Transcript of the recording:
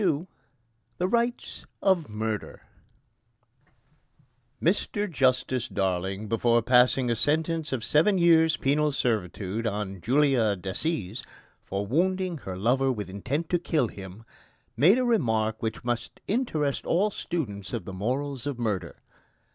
XXII THE RIGHTS OF MURDER Mr Justice Darling, before passing a sentence of seven years' penal servitude on Julia Decies for wounding her lover with intent to kill him, made a remark which must interest all students of the morals of murder.